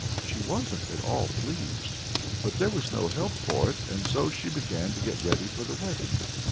She wasn't at all pleased, but there was no help for it, and so she began to get ready for the wedding.